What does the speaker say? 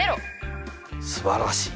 すばらしい。